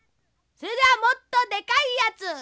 それではもっとでかいやつ！